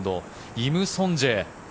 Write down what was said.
イム・ソンジェ。